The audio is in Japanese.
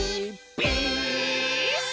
ピース！」